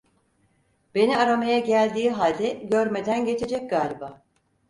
Beni aramaya geldiği halde görmeden geçecek galiba…